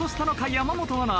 山本アナ。